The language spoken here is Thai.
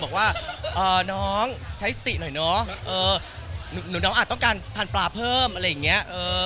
บอกว่าน้องใช้สติหน่อยเนอะหนูน้องอาจต้องการทานปลาเพิ่มอะไรอย่างนี้